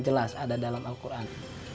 jelas ada dalam al quran